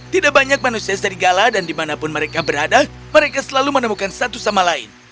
tidak banyak manusia serigala dan dimanapun mereka berada mereka selalu menemukan satu sama lain